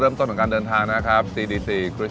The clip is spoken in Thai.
คนที่มาทานอย่างเงี้ยควรจะมาทานแบบคนเดียวนะครับ